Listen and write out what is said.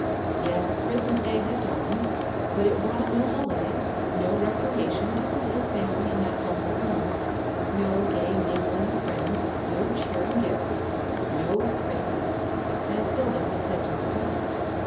Yes, Christmas day had dawned ; but it brought no holiday, no recreation to the little family in that humble room, — no gay mingling of friends, no cheering gifts, no Christmas^ as Hilda had said to her cousin.